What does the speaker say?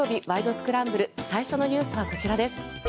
スクランブル」最初のニュースはこちらです。